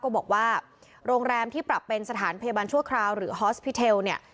ก็บอกว่าโรงแรมที่ปรับเป็นสถานพยาบาลชั่วคราวหรือฮอสพิเทลเนี่ย